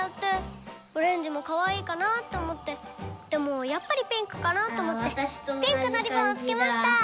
オレンジもかわいいかなって思ってでもやっぱりピンクかなって思ってピンクのリボンをつけました！